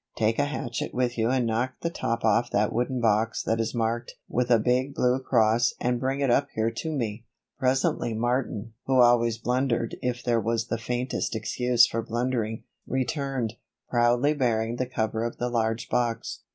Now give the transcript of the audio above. Take a hatchet with you and knock the top off that wooden box that is marked with a big blue cross and bring it up here to me." Presently Martin, who always blundered if there was the very faintest excuse for blundering, returned, proudly bearing the cover of the large box.